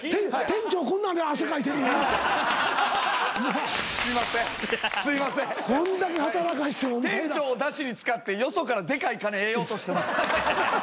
店長をだしに使ってよそからでかい金得ようとしてます。